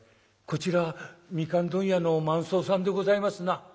「こちら蜜柑問屋の万惣さんでございますな」。